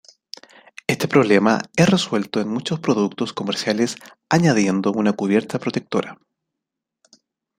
Este problema es resuelto en muchos productos comerciales añadiendo una cubierta protectora.